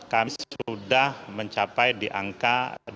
kami sudah mencapai di angka